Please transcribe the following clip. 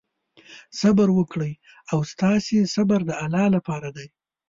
صبر وکړئ او ستاسې صبر د الله لپاره دی.